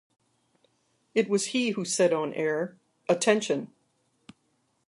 It was he who said on air: Attention.